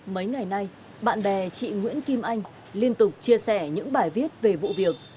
mấy ngày nay bạn bè chị nguyễn kim anh liên tục chia sẻ những bài viết về vụ việc